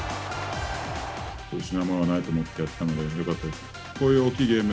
失うものがないと思ってやったのでよかったです。